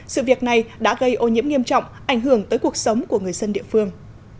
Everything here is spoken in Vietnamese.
sự việc này đã gây ô nhiễm nghiêm trọng ảnh hưởng tới cuộc sống của người dân địa phương